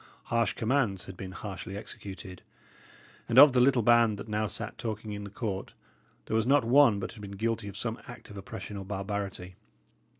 Harsh commands had been harshly executed; and of the little band that now sat talking in the court, there was not one but had been guilty of some act of oppression or barbarity.